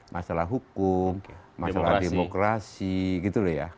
masalah hukum masalah demokrasi gitu loh ya